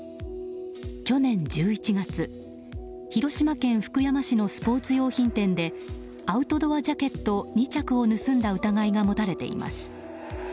去年１１月、広島県福山市のスポーツ用品店でアウトドアジャケット２着を盗んだ疑いが持たれています。